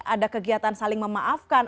ada kegiatan saling memaafkan